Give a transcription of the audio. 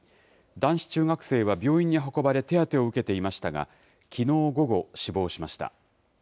男子中学生は病院に運ばれ、手当てを受けていましたが、きのう午後、死亡しました。